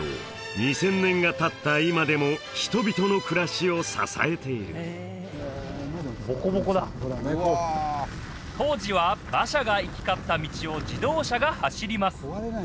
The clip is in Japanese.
２０００年がたった今でも人々の暮らしを支えている当時は馬車が行き交った道を自動車が走ります